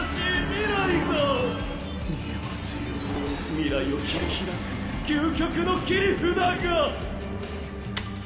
未来を切り開く究極の切り札が！